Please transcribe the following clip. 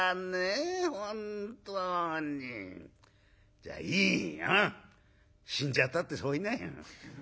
じゃあいいよ死んじゃったってそう言いなよ」。